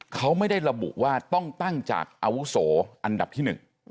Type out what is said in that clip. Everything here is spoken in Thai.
เขาไม่ได้ระบุว่าต้องตั้งจากอาวุโสอันดับที่๑